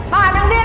bà hả mày đang điên